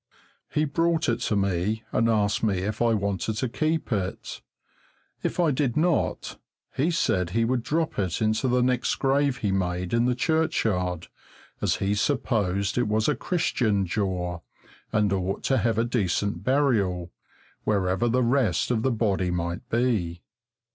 He brought it to me, and asked me if I wanted to keep it; if I did not, he said he would drop it into the next grave he made in the churchyard, as he supposed it was a Christian jaw, and ought to have decent burial, wherever the rest of the body might be.